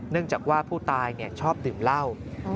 เนื่องจากว่าผู้ตายเนี่ยชอบดื่มเล่า